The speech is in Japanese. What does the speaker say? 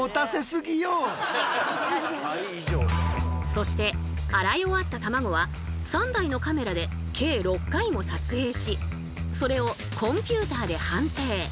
そして洗い終わったたまごは３台のカメラで計６回も撮影しそれをコンピューターで判定。